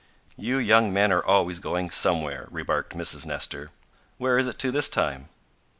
"You young men are always going somewhere," remarked Mrs. Nestor. "Where is it to this time?"